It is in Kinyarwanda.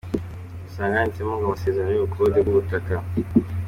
Urasanga handitseho ngo ‘amazezerano y’ubukode bw’ubutaka‘.